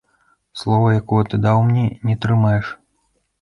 Слова, якое ты даў мне, не трымаеш.